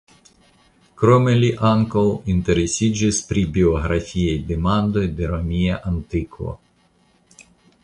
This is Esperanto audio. Krome li ankaŭ interesiĝis pri biografiaj demandoj de romia antivko.